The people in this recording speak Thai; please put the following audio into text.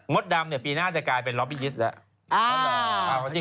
มดดำเนี่ยปีหน้าจะกลายเป็นล็อบบิจิสท์แล้ว